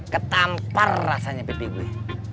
ketamper rasanya pipi gue